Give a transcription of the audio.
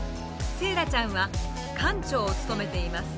セーラちゃんは館長を務めています。